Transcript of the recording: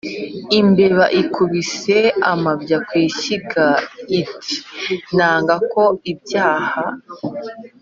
lmbeba ikubise amabya ku ishyiga iti nanga ko ibyaha